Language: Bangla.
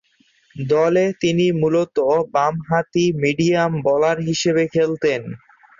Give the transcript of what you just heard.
দলে তিনি মূলতঃ বামহাতি মিডিয়াম বোলার হিসেবে খেলতেন।